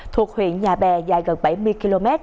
thuộc huyện nhà bè dài gần bảy mươi km